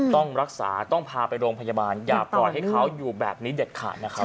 ต้องรักษาต้องพาไปโรงพยาบาลอย่าปล่อยให้เขาอยู่แบบนี้เด็ดขาดนะครับ